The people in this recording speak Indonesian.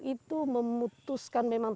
itu memutuskan memang